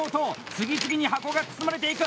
次々に箱が包まれていく！